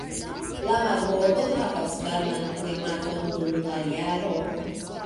La marbordo havas varman klimaton, dum la jaro.